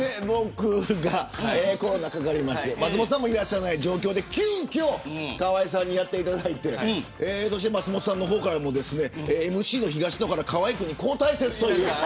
僕がコロナにかかりまして松本さんもいない状況で、急きょ河合さんにやっていただいて松本さんの方からもＭＣの東野から河合君に交代という。